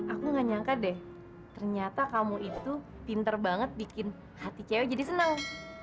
aku gak nyangka deh ternyata kamu itu pinter banget bikin hati cewek jadi senang